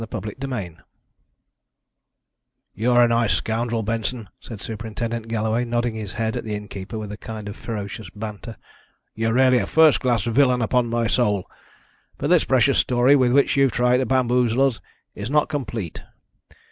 CHAPTER XXVIII "You're a nice scoundrel, Benson," said Superintendent Galloway, nodding his head at the innkeeper with a kind of ferocious banter. "You're really a first class villain, upon my soul! But this precious story with which you've tried to bamboozle us is not complete.